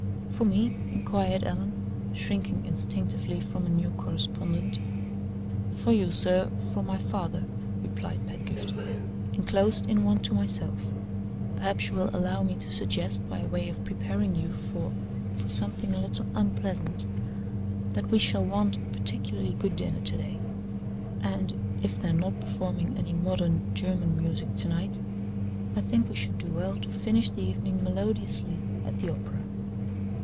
"For me?" inquired Allan, shrinking instinctively from a new correspondent. "For you, sir from my father," replied Pedgift, "inclosed in one to myself. Perhaps you will allow me to suggest, by way of preparing you for for something a little unpleasant that we shall want a particularly good dinner to day; and (if they're not performing any modern German music to night) I think we should do well to finish the evening melodiously at the Opera."